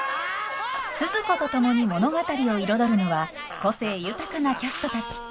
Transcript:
スズ子と共に物語を彩るのは個性豊かなキャストたち。